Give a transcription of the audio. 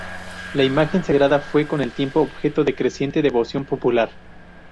La imagen sagrada fue, con el tiempo, objeto de creciente devoción popular.